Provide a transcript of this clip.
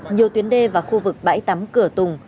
nhiều tuyến đê và khu vực bãi tắm cửa tùng